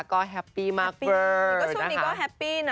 คนนี้จะอย่าง